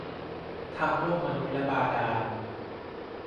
ทั้งโลกมนุษย์และบาดาล